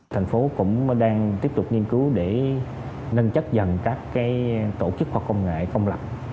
thành phố cũng đang tiếp tục nghiên cứu để nâng chất dần các tổ chức khoa học công nghệ công lập